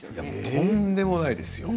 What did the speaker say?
とんでもないですよ